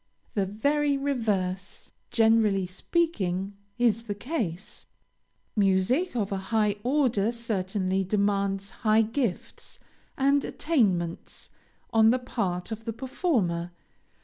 The very reverse, generally speaking, is the case. Music of a high order certainly demands high gifts and attainments on the part of the performer.